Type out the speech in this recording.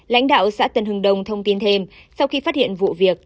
lãnh đạo xã tân hưng đông thông tin thêm sau khi phát hiện vụ việc